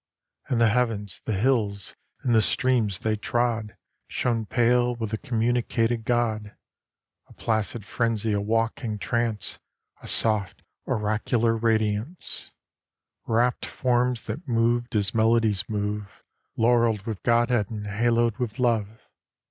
And the heavens, the hills, and the streams they trod Shone pale with th' communicated God. A placid frenzy, a waking trance, A soft oracular radiance, Wrapped forms that moved as melodies move, Laurelled with Godhead and haloed with Love.